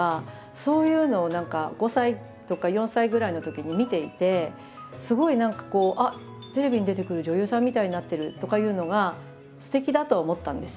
そういうのを何か５歳とか４歳ぐらいのときに見ていてすごい何かこうテレビに出てくる女優さんみたいになってるとかいうのがすてきだとは思ったんです。